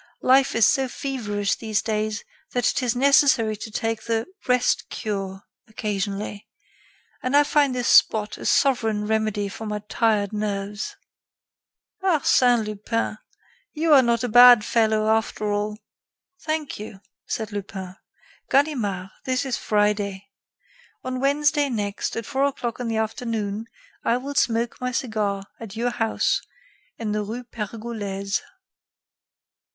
Life is so feverish these days that it is necessary to take the 'rest cure' occasionally, and I find this spot a sovereign remedy for my tired nerves." "Arsène Lupin, you are not a bad fellow, after all." "Thank you," said Lupin. "Ganimard, this is Friday. On Wednesday next, at four o'clock in the afternoon, I will smoke my cigar at your house in the rue Pergolese."